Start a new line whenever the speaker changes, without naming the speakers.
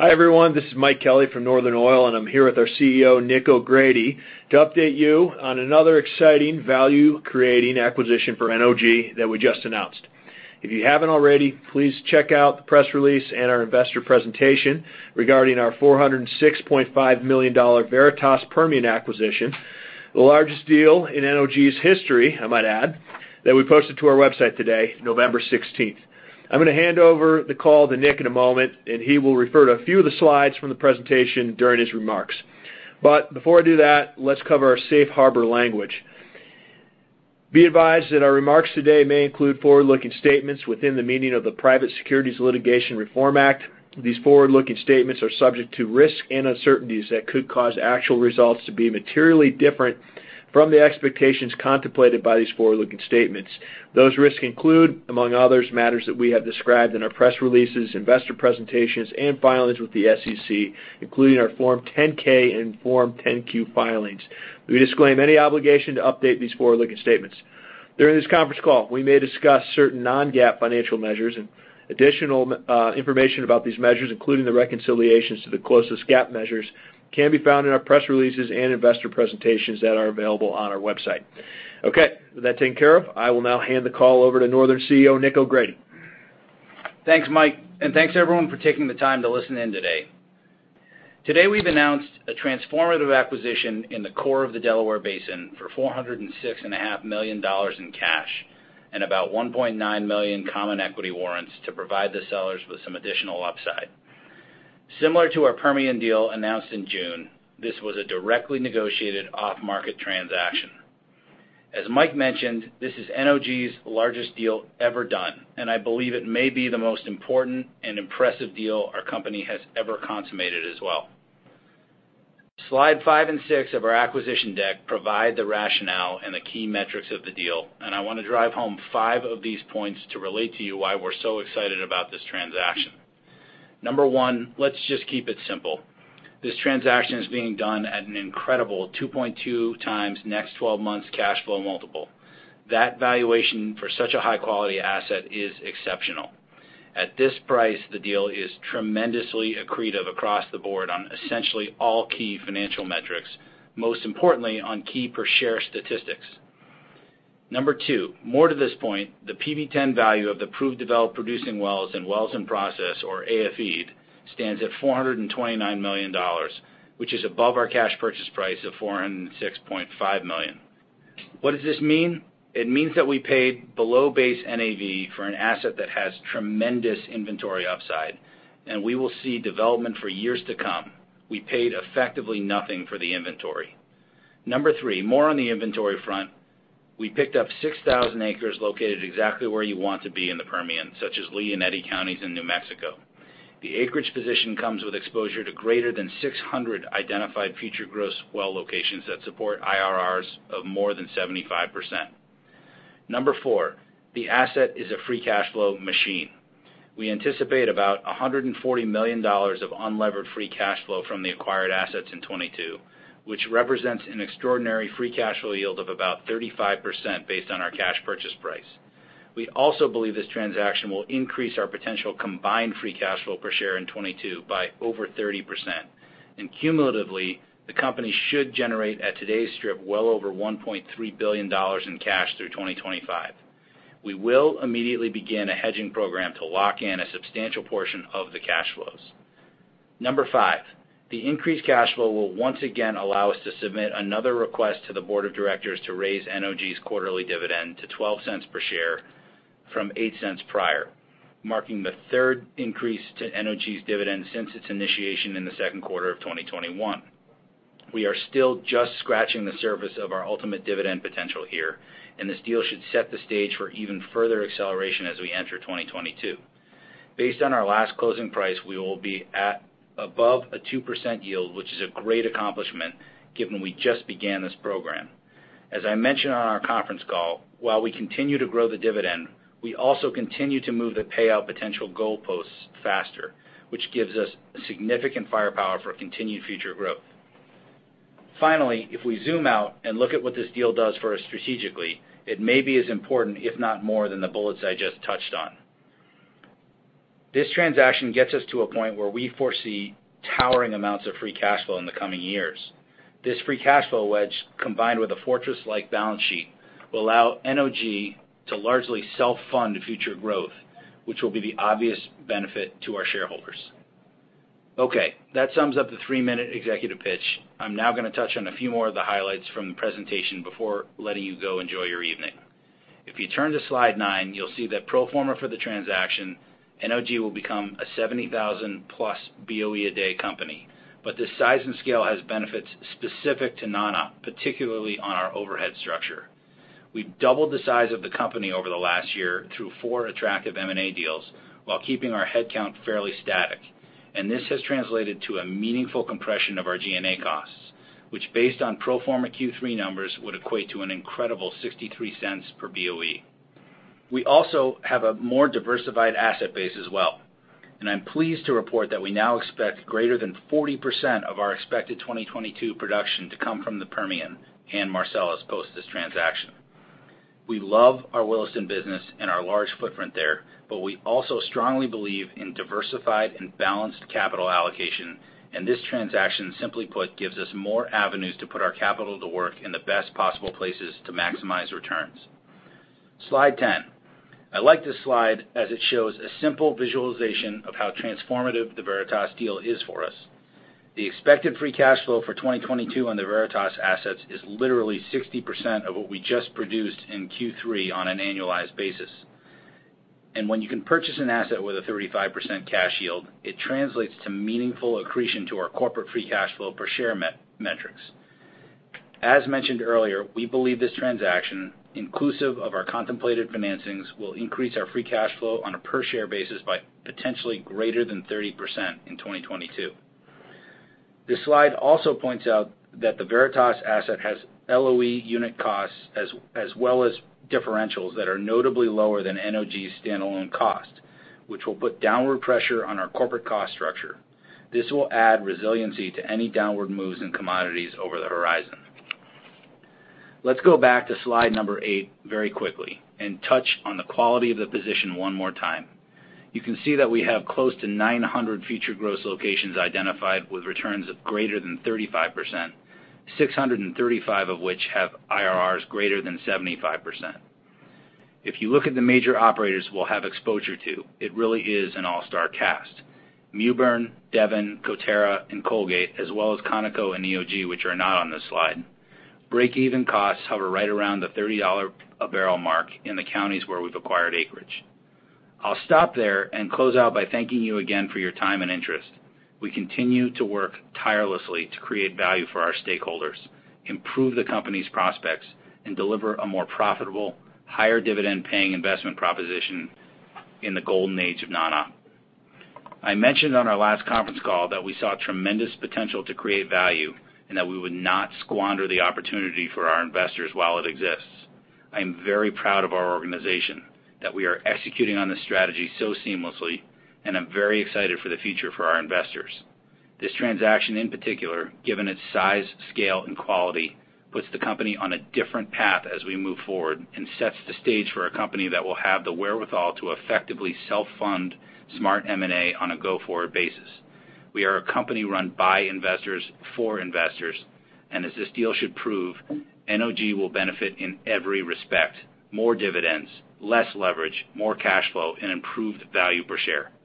Hi, everyone. This is Mike Kelly from Northern Oil, and I'm here with our CEO, Nick O'Grady, to update you on another exciting value-creating acquisition for NOG that we just announced. If you haven't already, please check out the press release and our investor presentation regarding our $406.5 million Veritas Permian acquisition, the largest deal in NOG's history, I might add, that we posted to our website today, November 16. I'm gonna hand over the call to Nick in a moment, and he will refer to a few of the slides from the presentation during his remarks. Before I do that, let's cover our safe harbor language. Be advised that our remarks today may include forward-looking statements within the meaning of the Private Securities Litigation Reform Act. These forward-looking statements are subject to risks and uncertainties that could cause actual results to be materially different from the expectations contemplated by these forward-looking statements. Those risks include, among others, matters that we have described in our press releases, investor presentations, and filings with the SEC, including our Form 10-K and Form 10-Q filings. We disclaim any obligation to update these forward-looking statements. During this conference call, we may discuss certain non-GAAP financial measures and additional information about these measures, including the reconciliations to the closest GAAP measures can be found in our press releases and investor presentations that are available on our website. Okay, with that taken care of, I will now hand the call over to Northern CEO, Nick O'Grady.
Thanks, Mike, and thanks everyone for taking the time to listen in today. Today, we've announced a transformative acquisition in the core of the Delaware Basin for $406.5 million in cash and about 1.9 million common equity warrants to provide the sellers with some additional upside. Similar to our Permian deal announced in June, this was a directly negotiated off-market transaction. As Mike mentioned, this is NOG's largest deal ever done, and I believe it may be the most important and impressive deal our company has ever consummated as well. Slides five and six of our acquisition deck provide the rationale and the key metrics of the deal, and I wanna drive home five of these points to relate to you why we're so excited about this transaction. Number one, let's just keep it simple. This transaction is being done at an incredible 2.2x next 12 months cash flow multiple. That valuation for such a high-quality asset is exceptional. At this price, the deal is tremendously accretive across the board on essentially all key financial metrics, most importantly, on key per share statistics. Number two, more to this point, the PV-10 value of the proved developed producing wells and wells in process or AFE'd stands at $429 million, which is above our cash purchase price of $406.5 million. What does this mean? It means that we paid below base NAV for an asset that has tremendous inventory upside, and we will see development for years to come. We paid effectively nothing for the inventory. Number three, more on the inventory front. We picked up 6,000 acres located exactly where you want to be in the Permian, such as Lea and Eddy counties in New Mexico. The acreage position comes with exposure to greater than 600 identified future gross well locations that support IRRs of more than 75%. Number four, the asset is a free cash flow machine. We anticipate about $140 million of unlevered free cash flow from the acquired assets in 2022, which represents an extraordinary free cash flow yield of about 35% based on our cash purchase price. We also believe this transaction will increase our potential combined free cash flow per share in 2022 by over 30%. Cumulatively, the company should generate at today's strip well over $1.3 billion in cash through 2025. We will immediately begin a hedging program to lock in a substantial portion of the cash flows. Number five, the increased cash flow will once again allow us to submit another request to the board of directors to raise NOG's quarterly dividend to $0.12 per share from $0.08 prior, marking the third increase to NOG's dividend since its initiation in the second quarter of 2021. We are still just scratching the surface of our ultimate dividend potential here, and this deal should set the stage for even further acceleration as we enter 2022. Based on our last closing price, we will be at above 2% yield, which is a great accomplishment given we just began this program. As I mentioned on our conference call, while we continue to grow the dividend, we also continue to move the payout potential goalposts faster, which gives us significant firepower for continued future growth. Finally, if we zoom out and look at what this deal does for us strategically, it may be as important, if not more, than the bullets I just touched on. This transaction gets us to a point where we foresee towering amounts of free cash flow in the coming years. This free cash flow wedge, combined with a fortress-like balance sheet, will allow NOG to largely self-fund future growth, which will be the obvious benefit to our shareholders. Okay, that sums up the three-minute executive pitch. I'm now gonna touch on a few more of the highlights from the presentation before letting you go enjoy your evening. If you turn to slide nine, you'll see that pro forma for the transaction, NOG will become a 70,000+ Boe a day company. This size and scale has benefits specific to non-op, particularly on our overhead structure. We've doubled the size of the company over the last year through four attractive M&A deals while keeping our head count fairly static. This has translated to a meaningful compression of our G&A costs, which based on pro forma Q3 numbers, would equate to an incredible $0.63 per Boe. We also have a more diversified asset base as well, and I'm pleased to report that we now expect greater than 40% of our expected 2022 production to come from the Permian and Marcellus post this transaction. We love our Williston business and our large footprint there, but we also strongly believe in diversified and balanced capital allocation, and this transaction, simply put, gives us more avenues to put our capital to work in the best possible places to maximize returns. Slide 10. I like this slide as it shows a simple visualization of how transformative the Veritas deal is for us. The expected free cash flow for 2022 on the Veritas assets is literally 60% of what we just produced in Q3 on an annualized basis. When you can purchase an asset with a 35% cash yield, it translates to meaningful accretion to our corporate free cash flow per share metrics. As mentioned earlier, we believe this transaction, inclusive of our contemplated financings, will increase our free cash flow on a per share basis by potentially greater than 30% in 2022. This slide also points out that the Veritas asset has LOE unit costs as well as differentials that are notably lower than NOG's standalone cost, which will put downward pressure on our corporate cost structure. This will add resiliency to any downward moves in commodities over the horizon. Let's go back to slide number eight very quickly and touch on the quality of the position one more time. You can see that we have close to 900 future gross locations identified with returns of greater than 35%, 635 of which have IRRs greater than 75%. If you look at the major operators we'll have exposure to, it really is an all-star cast. Mewbourne, Devon, Coterra, and Colgate, as well as Conoco and EOG, which are not on this slide. Breakeven costs hover right around the $30 a barrel mark in the counties where we've acquired acreage. I'll stop there and close out by thanking you again for your time and interest. We continue to work tirelessly to create value for our stakeholders, improve the company's prospects, and deliver a more profitable, higher dividend-paying investment proposition in the golden age of non-op. I mentioned on our last conference call that we saw tremendous potential to create value, and that we would not squander the opportunity for our investors while it exists. I am very proud of our organization, that we are executing on this strategy so seamlessly, and I'm very excited for the future for our investors. This transaction in particular, given its size, scale, and quality, puts the company on a different path as we move forward and sets the stage for a company that will have the wherewithal to effectively self-fund smart M&A on a go-forward basis. We are a company run by investors, for investors, and as this deal should prove, NOG will benefit in every respect. More dividends, less leverage, more cash flow, and improved value per share.